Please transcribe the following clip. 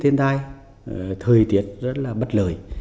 thiên thai thời tiết rất là bất lời